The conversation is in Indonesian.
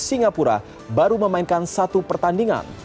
dan singapura baru memainkan satu pertandingan